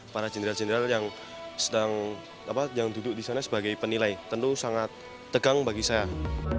para jenderal jenderal yang duduk di sana sebagai penilai tentu sangat tegang bagi saya